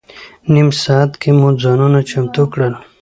نیم ساعت کې مو ځانونه چمتو کړل.